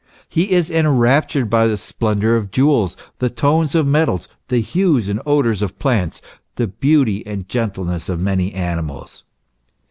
He is enraptured by the splendour of jewels, the tones of metals, the hues and odours of plants, the beauty and gentleness of many animals.